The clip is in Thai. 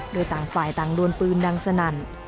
โดยต่างฝ่ายต่างดวนปืนดังสนั่น